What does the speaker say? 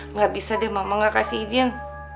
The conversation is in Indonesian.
nggak bisa deh mama gak kasih izin